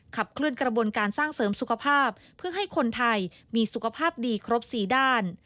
เคลื่อนกระบวนการสร้างเสริมสุขภาพเพื่อให้คนไทยมีสุขภาพดีครบ๔ด้าน